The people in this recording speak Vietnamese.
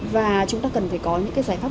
và chúng ta cần phải có những cái giải pháp